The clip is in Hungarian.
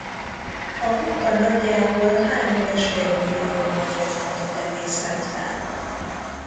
A munka nagyjából három és fél millió angol fontot emésztett fel.